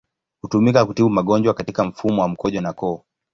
Hutumika kutibu magonjwa katika mfumo wa mkojo na koo.